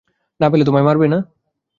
না পেলে তোমায় মারবে, না?